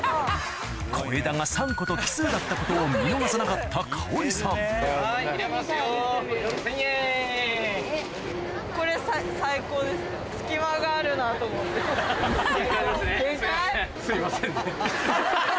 小枝が３個と奇数だったことを見逃さなかった香織さん限界？